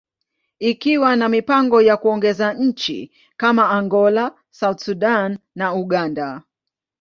ikiwa na mipango ya kuongeza nchi kama Angola, South Sudan, and Uganda.